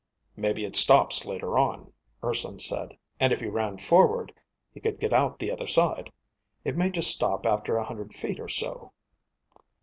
"Maybe it stops later on," Urson said, "and if he ran forward, he could get out the other side. It may just stop after a hundred feet or so."